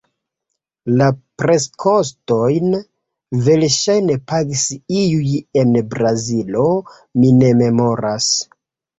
La preskostojn verŝajne pagis iuj en Brazilo – mi ne memoras.